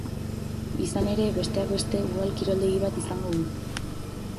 Izan ere, besteak beste, udal kiroldegi bat izango du.